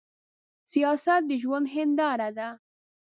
سياست د ژوند هينداره ده.